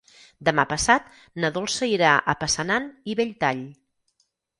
Demà passat na Dolça irà a Passanant i Belltall.